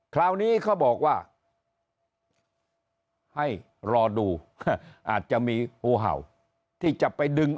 คราวนี้เขาบอกว่าให้รอดูอาจจะมีงูเห่าที่จะไปดึง